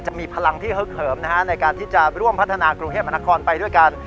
จะมีพลังที่ฮึกเหิมในการที่จะร่วมพัฒนากรุงเทพมนครไปด้วยกัน